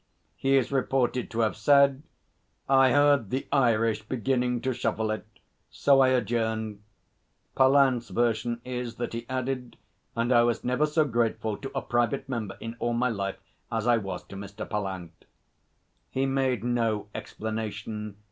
He is reported to have said: 'I heard the Irish beginning to shuffle it. So I adjourned.' Pallant's version is that he added: 'And I was never so grateful to a private member in all my life as I was to Mr. Pallant.' He made no explanation.